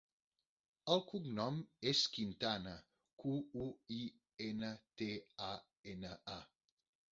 El cognom és Quintana: cu, u, i, ena, te, a, ena, a.